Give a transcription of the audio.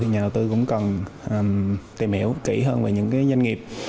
nhà đầu tư cũng cần tìm hiểu kỹ hơn về những doanh nghiệp